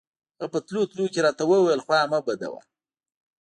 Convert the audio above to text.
هغه په تلو تلو کښې راته وويل خوا مه بدوه.